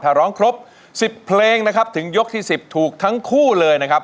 ถ้าร้องครบ๑๐เพลงนะครับถึงยกที่๑๐ถูกทั้งคู่เลยนะครับ